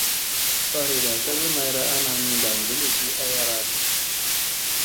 Fariɗa ka wi mayra ana minda kuluzi ayara ɗi.